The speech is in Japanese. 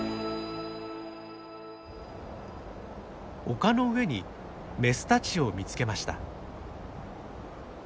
丘の上にメスたちを見つけました。